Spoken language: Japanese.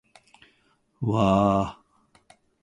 わー